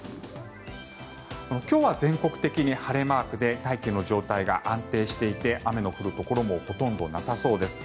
今日は全国的に晴れマークで大気の状態が安定していて雨の降るところもほとんどなさそうです。